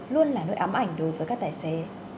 luôn là nỗi ám ảnh đối với các tài xế